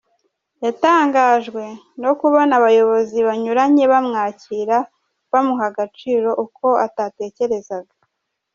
Yatangajwe no kubona abayobozi banyuranye bamwakira bamuha agaciro uko atatekerezaga.